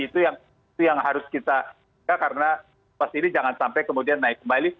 itu yang harus kita jaga karena pas ini jangan sampai kemudian naik kembali